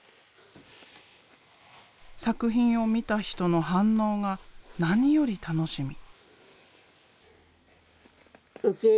作品を見た人の反応が何より楽しみ。